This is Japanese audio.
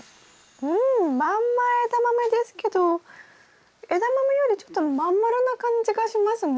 うんまんまエダマメですけどエダマメよりちょっと真ん丸な感じがしますね。